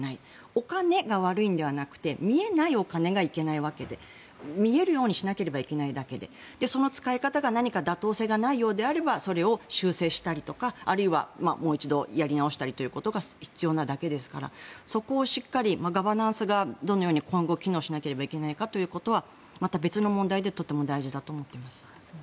お金が悪いのではなくて見えないお金がいけないわけで見えるようにしなければいけないだけでその使い方が何か妥当性がないようであればそれを修正したりとかあるいは、もう一度やり直したりとかってことが必要なだけですからそこをしっかり、ガバナンスがどのように今後、機能しなければいけないのかということはまた別の問題でとても大事だと思っています。